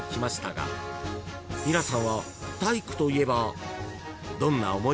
［皆さんは］